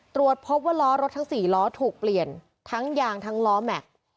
ตรวจพบว่าล้อรถทั้ง๔ล้อถูกเปลี่ยนทั้งยางทั้งล้อแม็กซ์